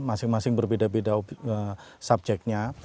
masing masing berbeda beda subjeknya